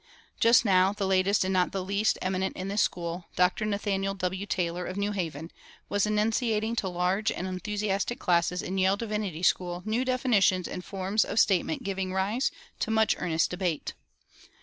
Just now the latest and not the least eminent in this school, Dr. Nathaniel W. Taylor, of New Haven, was enunciating to large and enthusiastic classes in Yale Divinity School new definitions and forms of statement giving rise to much earnest debate.